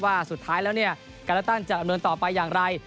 ว่าสุดท้ายแล้วเนี่ยการเลือกตั้งจะดำเนินต่อไปอย่างไร